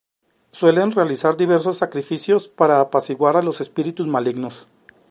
Suelen realizar diversos sacrificios para apaciguar a los espíritus malignos.